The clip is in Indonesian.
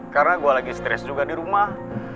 karena gue lagi stress juga di rumah